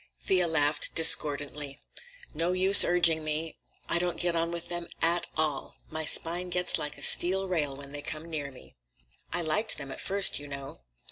Thea laughed discordantly. "No use urging me. I don't get on with them at all. My spine gets like a steel rail when they come near me. I liked them at first, you know.